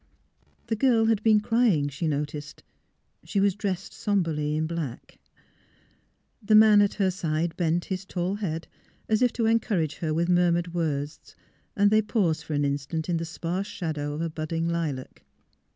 The girl had been crying, she noticed; she was dressed somberly in black. The man at her side bent his tall head, as if to encourage her with murmured words, as they paused for an instant in the sparse shadow of a budding lilac.